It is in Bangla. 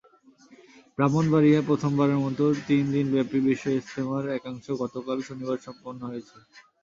ব্রাহ্মণবাড়িয়ায় প্রথমবারের মতো তিন দিনব্যাপী বিশ্ব ইজতেমার একাংশ গতকাল শনিবার সম্পন্ন হয়েছে।